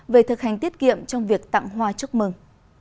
về thực hành tiết kiệm trong việc tặng hoa chúc mừng